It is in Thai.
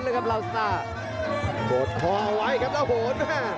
บ่ำไม่มีลับรงเพัอจนกว้ายแล้วโหน